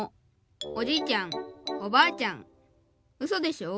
おじいちゃんおばあちゃんウソでしょ？